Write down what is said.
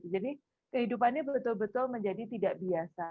jadi kehidupannya betul betul menjadi tidak biasa